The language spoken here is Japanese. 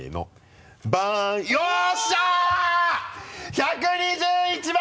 １２１万！